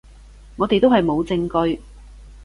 我哋都係冇證據